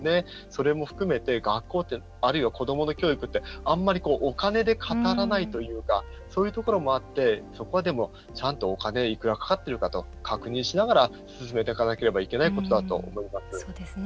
それも含めて学校ってあるいは子どもの教育ってあんまりお金で語らないというかそういうところもあってそこは、でもちゃんとお金いくらかかってるかとか確認しながら進めていかなければいけないことだと思います。